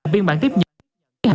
biên bản tiếp nhận